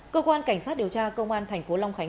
cơ quan cảnh sát điều tra công an tp hcm